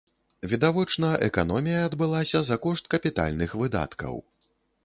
Відавочна, эканомія адбылася за кошт капітальных выдаткаў.